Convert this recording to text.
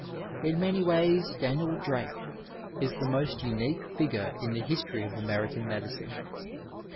In msny ways Danid Drake is the most unique figure in tlie histoiy of American medicine.